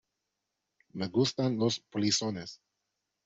me gustan los polizones.